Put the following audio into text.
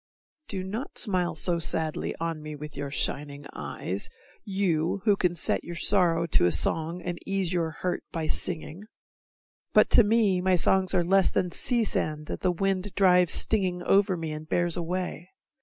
Do not smile So sadly on me with your shining eyes, You who can set your sorrow to a song And ease your hurt by singing. But to me My songs are less than sea sand that the wind Drives stinging over me and bears away.